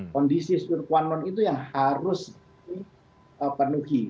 kondisius sinquanon itu yang harus diperlukan